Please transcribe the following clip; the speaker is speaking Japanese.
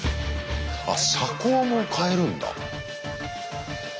あっ車高も変えるんだ。